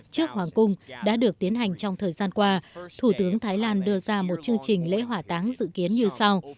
trước hoàng cung đã được tiến hành trong thời gian qua thủ tướng thái lan đưa ra một chương trình lễ hỏa táng dự kiến như sau